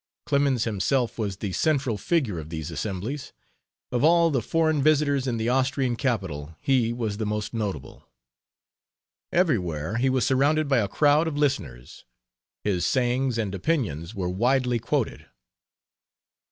Clemens himself was the central figure of these assemblies. Of all the foreign visitors in the Austrian capital he was the most notable. Everywhere he was surrounded by a crowd of listeners his sayings and opinions were widely quoted.